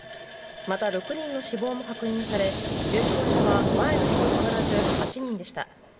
また６人の死亡も確認され、重症者は前の日と変わらず、８人でした。